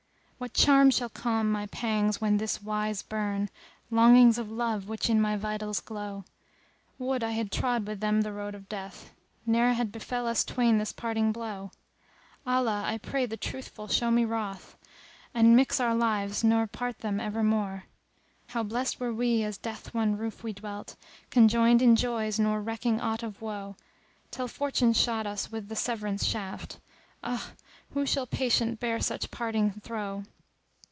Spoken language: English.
What charm shall calm my pangs when this wise burn * Longings of love which in my vitals glow? Would I had trod with them the road of Death! * Ne'er had befel us twain this parting blow: Allah: I pray the Ruthful show me ruth * And mix our lives nor part them evermo'e! How blest were we as 'neath one roof we dwelt * Conjoined in joys nor recking aught of woe; Till Fortune shot us with the severance shaft; * Ah who shall patient bear such parting throe?